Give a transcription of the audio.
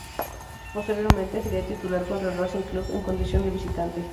Posteriormente sería titular contra Racing Club, en condición de visitante.